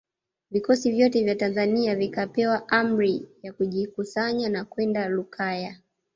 Vikosi vyote vya Tanzania vikapewa amri ya kujikusanya na kwenda Lukaya